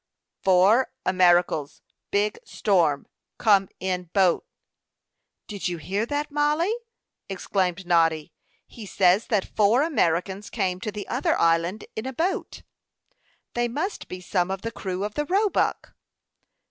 "Four Americals; big storm; come in boat." "Do you hear that, Mollie?" exclaimed Noddy. "He says that four Americans came to the other island in a boat." "They must be some of the crew of the Roebuck."